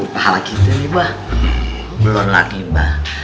pahala kita ini mba belum lagi mba